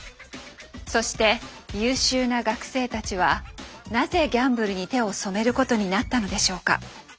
そして優秀な学生たちはなぜギャンブルに手を染めることになったのでしょうか。